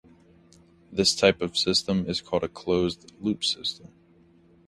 This type of system is called a closed-loop system.